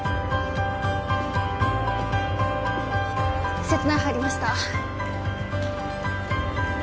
施設内入りました